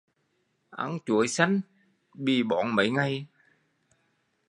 Ăn chuối xanh bị bón mấy ngày